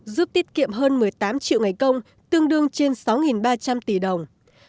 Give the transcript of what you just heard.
giúp tiết kiệm hơn một mươi tám triệu ngày công tương đương trên sáu ba trăm linh tỷ đồng